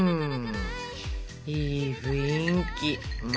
いい雰囲気。